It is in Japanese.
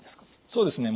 そうですね。